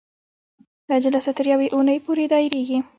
دا جلسه تر یوې اونۍ پورې دایریږي.